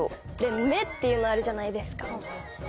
「め」っていうのあるじゃないですか。